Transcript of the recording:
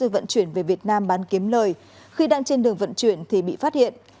hờ a súa đã vận chuyển về việt nam bán kiếm lời khi đang trên đường vận chuyển thì bị phát hiện